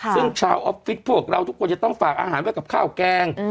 ซึ่งชาวออฟฟิศพวกเราทุกคนจะต้องฝากอาหารไว้กับข้าวแกง